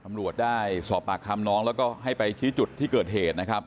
ตำรวจได้สอบปากคำน้องแล้วก็ให้ไปชี้จุดที่เกิดเหตุนะครับ